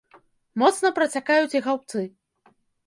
Моцна працякаюць і гаўбцы.